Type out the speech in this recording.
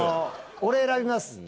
俺選びます。